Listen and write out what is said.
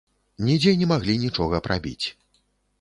Нідзе не маглі нічога прабіць.